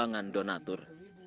dan juga pembahangan donatur